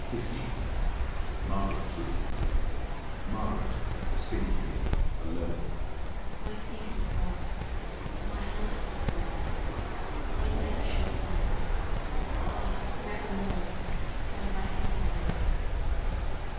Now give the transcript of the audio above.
XV MARGARET'S ROOM MARGARET (at the spinning wheel, alone) My peace is gone, My heart is sore: I never shall find it, Ah, nevermore! Save I have him near.